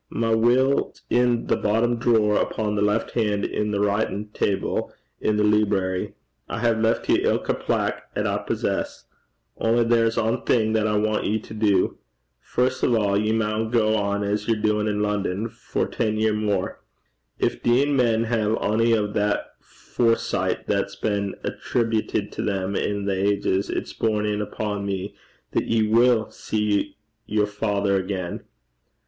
My will's i' the bottom drawer upo' the left han' i' my writin' table i' the leebrary: I hae left ye ilka plack 'at I possess. Only there's ae thing that I want ye to do. First o' a', ye maun gang on as yer doin' in London for ten year mair. Gin deein' men hae ony o' that foresicht that's been attreebuted to them in a' ages, it's borne in upo' me that ye wull see yer father again.